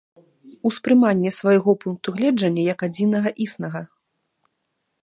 Успрыманне свайго пункту гледжання як адзінага існага.